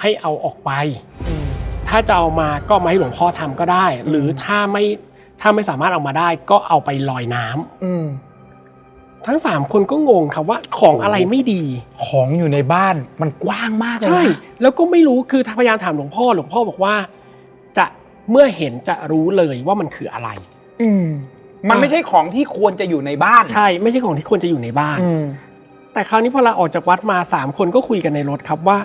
ให้เอาออกไปถ้าจะเอามาก็ไหมหลวงพ่อทำก็ได้หรือถ้าไม่ถ้าไม่สามารถเอามาได้ก็เอาไปลอยน้ำทั้งสามคนก็งงครับว่าของอะไรไม่ดีของอยู่ในบ้านมันกว้างมากเลยใช่แล้วก็ไม่รู้คือถ้าพยายามถามหลวงพ่อหลวงพ่อบอกว่าจะเมื่อเห็นจะรู้เลยว่ามันคืออะไรมันไม่ใช่ของที่ควรจะอยู่ในบ้านใช่ไม่ใช่ของที่ควรจะอยู่ในบ้านแต่คราวนี้พอลาออกจากวัดมาสามคนก็คุยกันในรถครับว่า